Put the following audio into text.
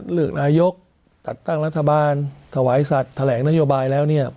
เลือกนายกจัดตั้งรัฐบาลถวายสัตว์แถลงนโยบายแล้วเนี่ย